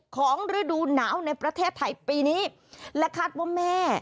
ฤดูหนาวในประเทศไทยปีนี้และคาดว่าแม่